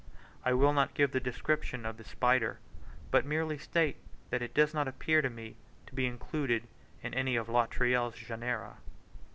I will not give the description of this spider, but merely state that it does not appear to me to be included in any of Latreille's genera.